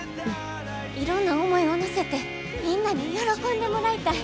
いろんな思いを乗せてみんなに喜んでもらいたい。